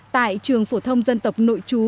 tại trường phổ thông dân tập nội trú